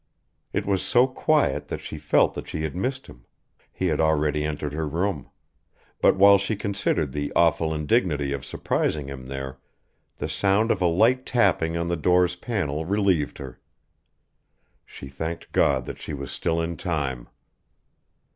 It was so quiet that she felt that she had missed him; he had already entered her room; but while she considered the awful indignity of surprising him there, the sound of a light tapping on the door's panel relieved her. She thanked God that she was still in time.